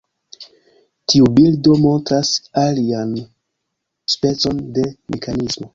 Tiu bildo montras alian specon de mekanismo.